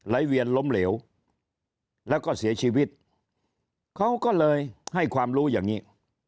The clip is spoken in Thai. เวียนล้มเหลวแล้วก็เสียชีวิตเขาก็เลยให้ความรู้อย่างนี้